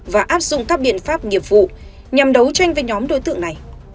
và áp dụng các biện pháp nghiệp vụ nhằm đấu tranh với nhóm đối tượng này